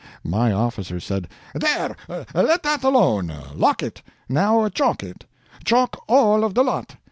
My officer said: "There, let that alone! Lock it. Now chalk it. Chalk all of the lot.